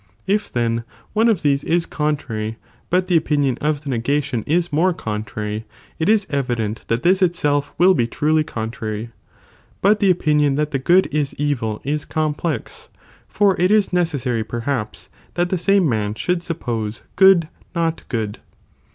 If then one of these is con trary, but the opinion of tbe negation is more contrary, it is evident that this itself will be (truly) contrary ; but the opinion that the good is evil is complex, for it is necessary perhaps, that the same man should suppose (good) not good.